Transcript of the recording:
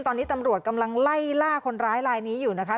ตอนนี้ตำรวจกำลังไล่ล่าคนร้ายลายนี้อยู่นะคะ